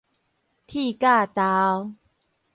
鐵甲豆